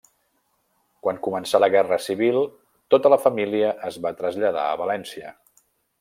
Quan començà la Guerra Civil, tota la família es va traslladar a València.